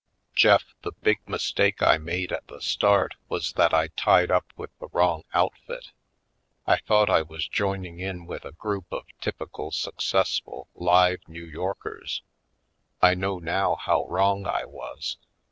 Jeff, the big mistake I made at the start was that I tied up with the wrong outfit. I thought I was joining in with a group of typical success ful live New Yorkers; I know now how wrong I was.